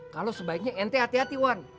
kalau sebaiknya nt hati hati wan